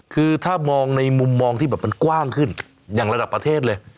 คือถ้ามองในมุมมองที่แบบมันกว้างขึ้นอย่างระดับประเทศเลย